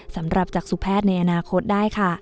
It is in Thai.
จากจักษุแพทย์ในอนาคตได้ค่ะ